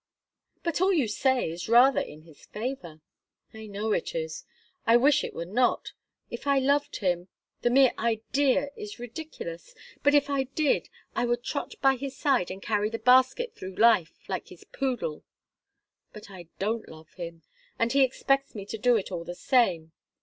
"But all you say is rather in his favour." "I know it is. I wish it were not. If I loved him the mere idea is ridiculous! But if I did, I would trot by his side and carry the basket through life, like his poodle. But I don't love him and he expects me to do it all the same.